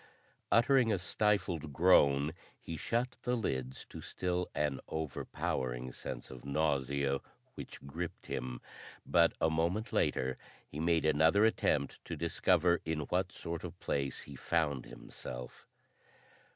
Uttering a stifled groan he shut the lids to still an overpowering sense of nausea which gripped him, but a moment later he made another attempt to discover in what sort of place he found himself.